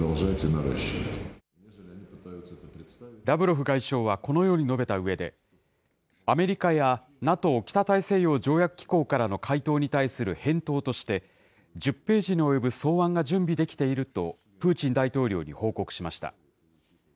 ラブロフ外相はこのように述べたうえで、アメリカやＮＡＴＯ・北大西洋条約機構からの回答に対する返答として、１０ページに及ぶ草案が準備できていると、プーチン大統領に報告しました。